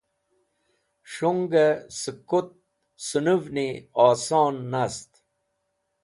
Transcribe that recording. Shungẽ sẽk kũt sẽnũvni oson nast.